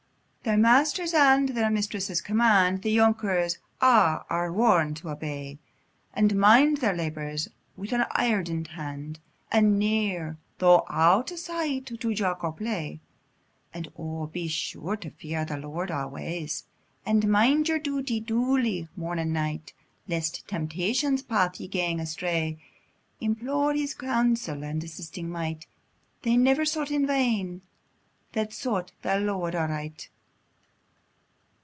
Their master's and their mistress' command, The younkers a' are warned to obey; And mind their labours wi' an eydent hand, And ne'er, tho' out o' sight, to jauk or play; "And O! be sure to fear the Lord alway, And mind your duty, duly, morn and night; Lest in temptation's path ye gang astray, Implore His counsel and assisting might: They never sought in vain that sought the Lord aright."